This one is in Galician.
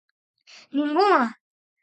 ¡Ningunha!